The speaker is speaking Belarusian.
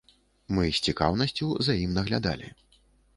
Мы з цікаўнасцю за ім наглядалі.